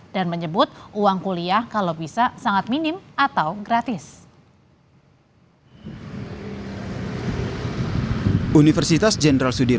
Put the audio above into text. dan menyebut uang kuliah kalau bisa sangat minim atau gratis